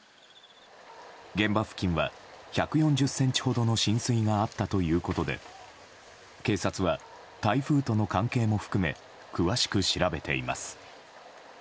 現場付近は１４０ｃｍほどの浸水があったということで警察は台風との関係も含め詳しく調べています。